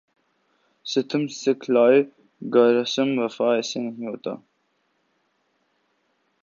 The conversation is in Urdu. ستم سکھلائے گا رسم وفا ایسے نہیں ہوتا